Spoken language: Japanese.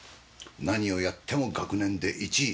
何をやっても学年で１位。